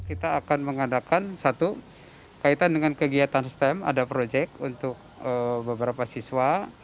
kita akan mengadakan satu kaitan dengan kegiatan stem ada proyek untuk beberapa siswa